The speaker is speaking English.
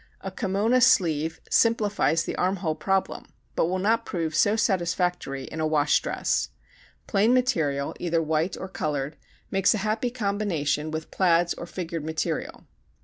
A kimona sleeve simplifies the arm hole problem but will not prove so satisfactory in a wash dress. Plain material, either white or colored, makes a happy combination with plaids or figured material.